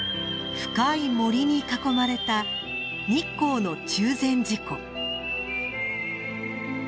深い森に囲まれた日光の中禅寺湖。